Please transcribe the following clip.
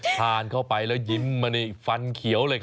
ทานเข้าไปแล้วยิ้มมานี่ฟันเขียวเลยครับ